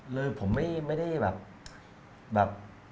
เลยผมไม่ได้แบบ